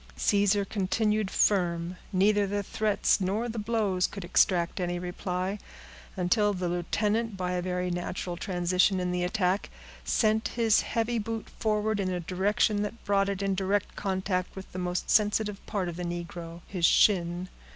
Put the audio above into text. Caesar continued firm. Neither the threats nor the blows could extract any reply, until the lieutenant, by a very natural transition in the attack, sent his heavy boot forward in a direction that brought it in direct contact with the most sensitive part of the negro—his shin.